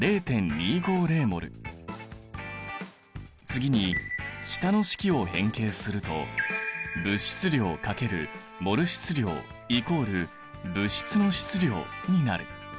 次に下の式を変形すると物質量×モル質量＝物質の質量になる。